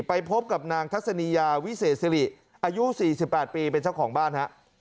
ไปพบกับนางทัศนียาวิเศษสิริอายุ๔๘ปีเป็นเจ้าของบ้านฮะ